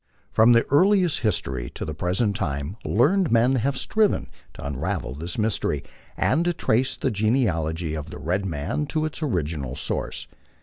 From his earliest history to the present time learned men have striven to unravel this mystery, and to trace the genealogy of the red man to its original source.